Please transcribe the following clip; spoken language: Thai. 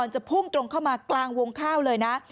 จะพุ่งตรงเข้ามากลางวงข้าวเลยนะ